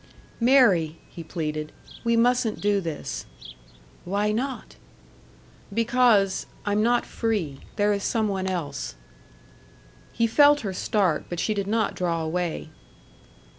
"Mary," he pleaded, "we mustn't do this." "Why not?" "Because I'm not free. There is some one else." He felt her start, but she did not draw away.